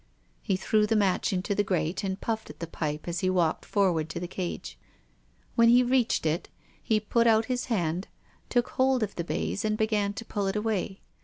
He threw the match into the grate, and puffed at the pipe as he walked forward to the cage. When he reached it he put out his hand, took hold of the baize and began to pull it away.